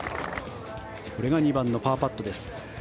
これが２番のパーパットです。